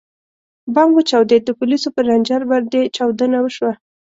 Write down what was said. ـ بم وچاودېد، د پولیسو پر رینجر باندې چاودنه وشوه.